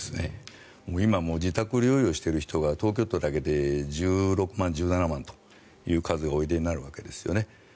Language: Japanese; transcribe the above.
今はもう自宅療養している人が東京都だけで１６万、１７万という数がおいでになるわけですよね。